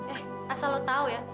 eh asal lo tau ya